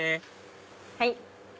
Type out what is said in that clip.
はい。